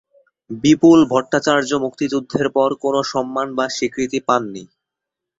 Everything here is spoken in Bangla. বিপুল ভট্টাচার্য মুক্তিযুদ্ধের পর কোনো সম্মান বা স্বীকৃতি পাননি।